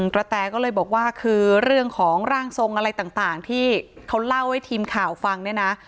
แตก็เลยบอกว่าคือเรื่องของร่างทรงอะไรต่างที่เขาเล่าให้ทีมข่าวฟังเนี่ยนะ